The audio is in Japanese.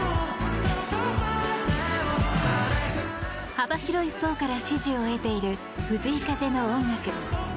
幅広い層から支持を得ている藤井風の音楽。